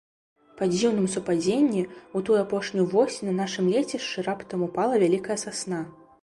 Па дзіўным супадзенні, у тую апошнюю восень на нашым лецішчы раптам упала вялікая сасна.